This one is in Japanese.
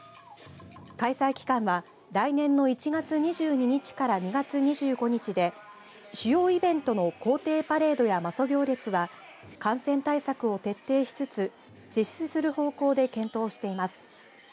開催期間は来年の１月２２日から２月２５日で主要イベントの皇帝パレードや媽祖行列は感染対策を徹底しつつ実施する方向で検討しています。